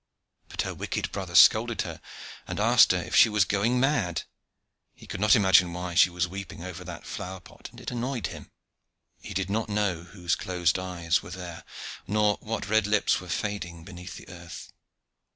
But her wicked brother scolded her, and asked her if she was going mad. He could not imagine why she was weeping over that flower pot, and it annoyed him. He did not know whose closed eyes were there, nor what red lips were fading beneath the earth.